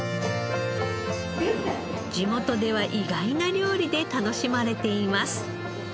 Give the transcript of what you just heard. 地元では意外な料理で楽しまれています。